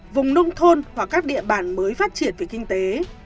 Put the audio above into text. vùng nông thôn hoặc các địa bàn mới phát triển về kinh tế